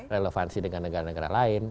relevansi dengan negara negara lain